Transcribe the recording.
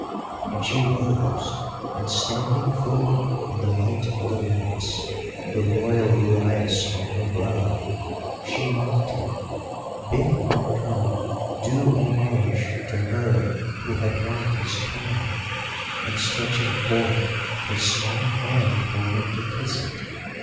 "And she rose, and standing full in the light of the lamps, the Royal uraeus on her brow, she mocked him, bidding him come do homage to her who had won his crown, and stretching forth her small hand for him to kiss it.